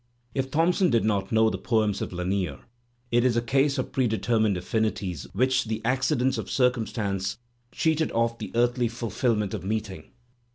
If Thompson did not know the poems of Lanier, it is a case of predetermined affinities which the accidents of circumstance cheated of the earthly fulfilment of meeting.